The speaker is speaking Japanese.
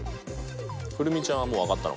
来泉ちゃんはもう分かったのかな？